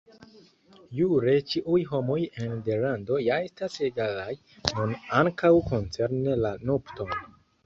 Jure ĉiuj homoj en Nederlando ja estas egalaj, nun ankaŭ koncerne la nupton.